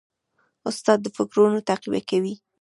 استاد د فکرونو تقویه کوي.